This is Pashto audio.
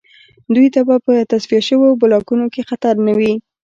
دوی ته به په تصفیه شویو بلاکونو کې خطر نه وي